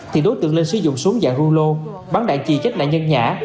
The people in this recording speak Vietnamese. thì đối tượng linh sử dụng súng dạng ru lô bắn đạn chỉ trách lại nhân nhã